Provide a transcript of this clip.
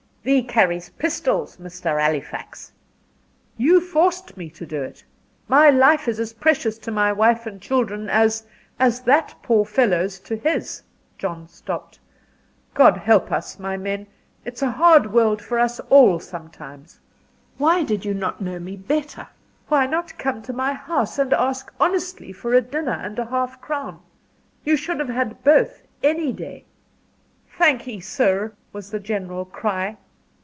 "Thee carries pistols, Mr. Halifax." "You forced me to do it. My life is as precious to my wife and children, as as that poor fellow's to his." John stopped. "God help us, my men! it's a hard world for us all sometimes. Why did you not know me better? Why not come to my house and ask honestly for a dinner and a half crown? you should have had both, any day." "Thank'ee sir," was the general cry.